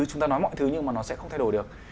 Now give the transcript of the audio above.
chúng ta nói mọi thứ nhưng mà nó sẽ không thay đổi được